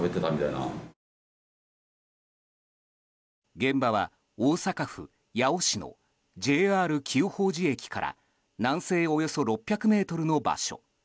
現場は大阪府八尾市のＪＲ久宝寺駅から南西およそ６００ｍの場所。